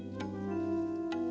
janganlah kau berguna